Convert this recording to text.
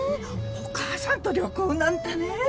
お母さんと旅行なんてね。